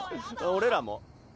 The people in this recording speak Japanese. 俺らも？